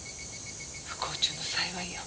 不幸中の幸いよ。